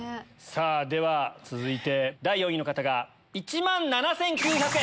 では続いて第４位の方が１万７９００円。